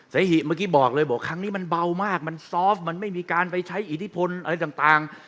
เสหิเมื่อกี้บอกเลยบอกครั้งนี้มันเบามากมันซอฟต์มันไม่มีการไปใช้อิทธิพลอะไรต่าง